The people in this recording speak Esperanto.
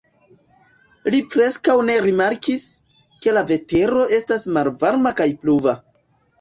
Li preskaŭ ne rimarkis, ke la vetero estas malvarma kaj pluva.